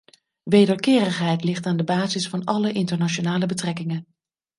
Wederkerigheid ligt aan de basis van alle internationale betrekkingen.